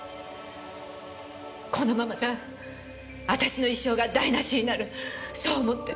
このままじゃ私の一生が台無しになるそう思って。